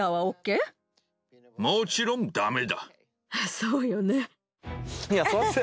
そうよね。